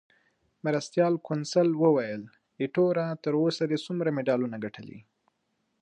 مرستیال کونسل وویل: ایټوره، تر اوسه دې څومره مډالونه ګټلي؟